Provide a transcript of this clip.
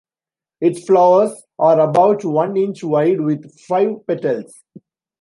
Its flowers are about one inch wide with five petals.